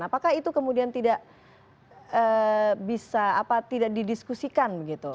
apakah itu kemudian tidak bisa tidak didiskusikan begitu